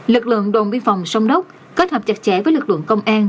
lực lượng đồn biên phòng sông đốc kết hợp chặt chẽ với lực lượng công an